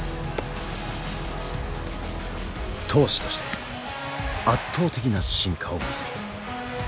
投手として圧倒的な進化を見せる。